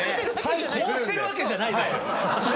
こうしてるわけじゃないですよ。